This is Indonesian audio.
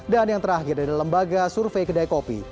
dan yang terakhir ada lembaga survei kedai kopi